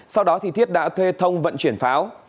sau đó thiết đã thuê thông vận chuyển pháo